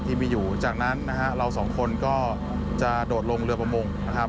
ที่มีอยู่จากนั้นเราสองคนก็จะโดดลงเรือประมง